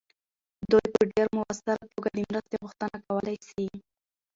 دوی په ډیر مؤثره توګه د مرستې غوښتنه کولی سي.